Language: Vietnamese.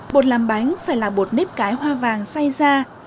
bột làm bánh phải là bột nếp cái hoa vàng xay ra